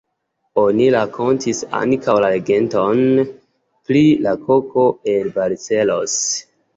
Oni rakontis ankaŭ la legendon pri la koko el Barcelos.